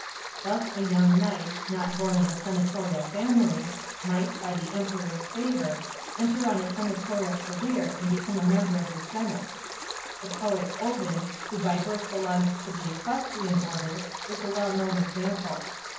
Thus a young knight, not born of a senatorial family, might, by the Emperor's favour, enter on a senatorial career and become a member of the senate. The poet Ovid, who by birth belonged to the equestrian order, is a well known example.